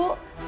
ya allah bu